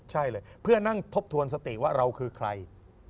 ใช่เลยเพื่อนั่งทบทวนสติว่าเราคือใคร